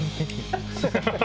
ハハハハ！